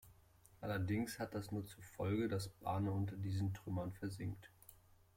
Allerdings hat das nur zur Folge, dass Bane unter diesen Trümmern versinkt.